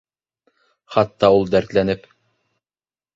Хатта ул дәртләнеп: